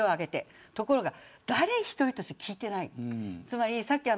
ところが誰一人聞いていない。